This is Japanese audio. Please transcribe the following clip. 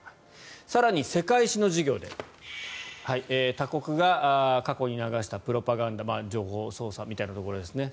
更に世界史の授業で他国が過去に流したプロパガンダ情報操作みたいなところですね